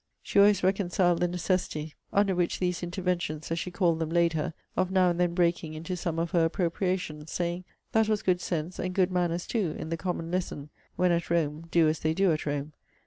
She always reconciled the necessity under which these interventions, as she called them, laid her, of now and then breaking into some of her appropriations; saying, 'That was good sense, and good manners too, in the common lesson, When at Rome, do as they do at Rome.